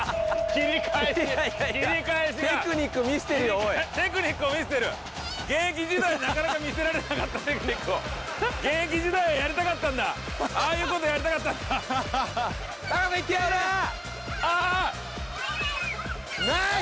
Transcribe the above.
切り返し切り返しがいやいやテクニック見せてるよおいテクニックを見せてる現役時代なかなか見せられなかったテクニックを現役時代やりたかったんだああいうことやりたかったんだタカさんあナイス！